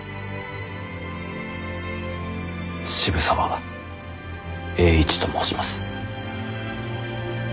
渋沢栄一と申します。